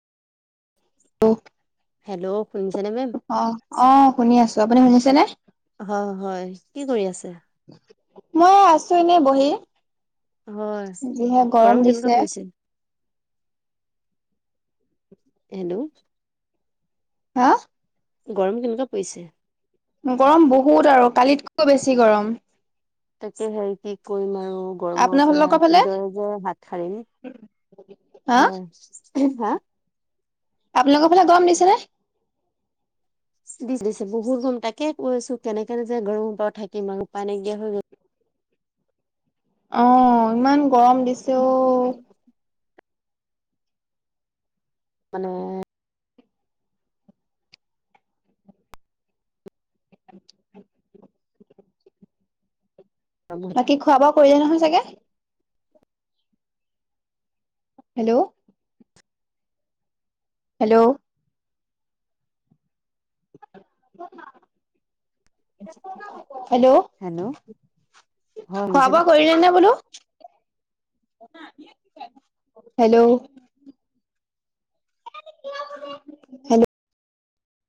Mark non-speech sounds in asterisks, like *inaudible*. অহ hello শুনিছেনে ma'am? অহ শুনি আছো, আপুনি শুনিছেনে? অ হয়, কি কৰি আছে? মই আছো এনে বহি। হয়। যিহে গৰম কেনেকুৱা দিছে। পৰিছে? হেল্ল' হা' গৰম কেনেকুৱা পৰিছে? গৰম বহুত আৰু কালিতকৈ বেছি গৰম। তাকে হেৰি কি কৰিম আৰু গৰমৰ পৰা আপোনালোকৰ কি ফালে দৰে যে হাত সাৰিম, হা হয় হা' আপোনালোকৰ ফালে গৰম দিছেনে? দিছে বহুত গৰম তাকে কৈছো, কেনেকেনো যে গৰম পাও থাকিম আৰু উপায় নাইকিয়া হৈ গ'ল। অহ' ইমান গৰম দিছে অ' মানে ও *unintelligible* বাকী খোৱা বোৱা কৰিলে নহয় চাগে? হেল্ল' হেল্ল' *unintelligible* হেল্ল' হয় খোৱা শুনিছেনে? বোৱা কৰিলে নে বোলো হেল্ল' হেল্ল'